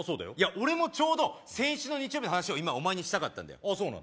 俺もちょうど先週の日曜日の話を今お前にしたかったそうなの？